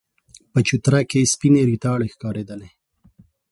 په چوتره کې سپينې ريتاړې ښکارېدلې.